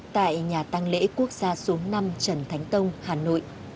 tại nhà tăng lễ quốc gia số năm trần thánh tông hà nội